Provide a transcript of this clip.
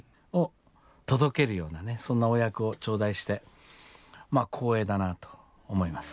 そんなお役を頂戴して光栄だなと思います。